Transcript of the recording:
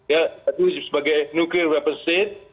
ya itu sebagai nuclear weapon state